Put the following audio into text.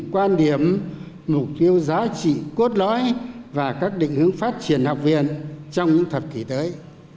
quan điểm mục tiêu giá trị cốt lõi và các định hướng phát triển học viện trong những thập kỷ tới